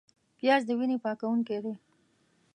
پیاز د وینې پاکوونکی دی